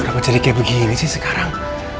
ah kenapa jadi kayak begini sih sekarang